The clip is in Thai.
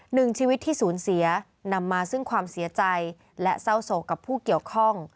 หนึ่งชีวิตที่สูญเสียนำมาซึ่งความเสียใจและเศร้าโศกกับผู้เกี่ยวข้อง